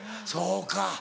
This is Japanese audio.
そうか。